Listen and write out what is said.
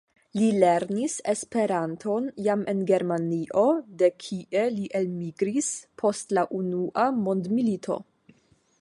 Li lernis Esperanton jam en Germanio, de kie li elmigris post la Unua mondmilito.